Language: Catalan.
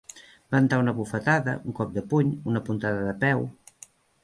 Ventar una bufetada, un cop de puny, una puntada de peu.